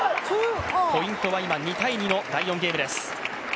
ポイントは今２−２の第４ゲームです。